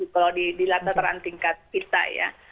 kalau di latar terang tingkat kita ya